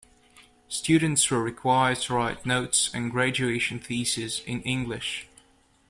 Students were required to write notes and graduation theses in English.